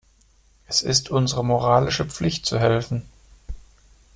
Es ist unsere moralische Pflicht zu helfen.